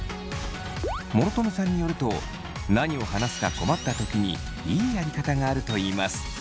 諸富さんによると何を話すか困った時にいいやり方があるといいます。